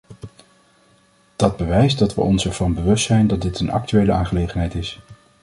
Dat bewijst dat we ons ervan bewust zijn dat dit een actuele aangelegenheid is.